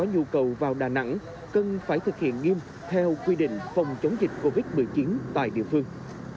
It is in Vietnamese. nhu cầu vào đà nẵng cần phải thực hiện nghiêm theo quy định phòng chống dịch covid một mươi chín tại địa phương